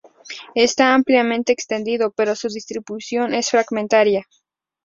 Está ampliamente extendido, pero su distribución es fragmentaria.